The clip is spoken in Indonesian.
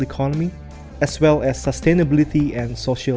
serta kesehatan dan perjalanan sosial